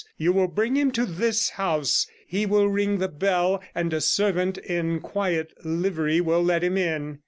You will bring him to this house, he will ring the bell, and a servant in quiet livery will let him in.